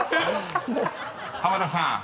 ［濱田さん